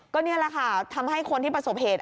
ก็นี่แหละค่ะทำให้คนที่ประสบเหตุ